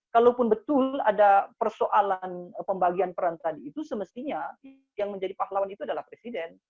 kalaupun betul ada persoalan pembagian peran tadi itu semestinya yang menjadi pahlawan itu adalah presiden